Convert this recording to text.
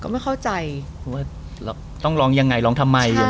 ไม่เข้าใจว่าต้องร้องยังไงร้องทำไม